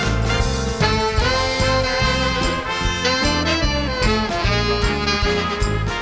ถึงจะทำด้วยต่อสู้ก่อ